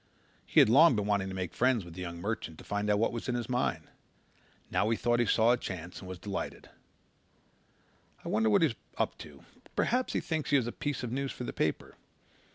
He had long been wanting to make friends with the young merchant and find out what was in his mind. Now he thought he saw a chance and was delighted. "I wonder what he's up to? Perhaps he thinks he has a piece of news for the paper.